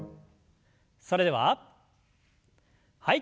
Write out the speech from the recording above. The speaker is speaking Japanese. それでははい。